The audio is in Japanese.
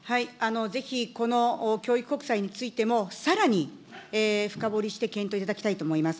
ぜひこの教育国債についてもさらに深掘りして検討いただきたいと思います。